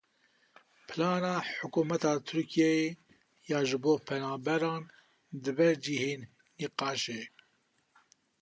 Plana hikûmeta Tirkiyeyê ya ji bo penaberan dibe cihê nîqaşê.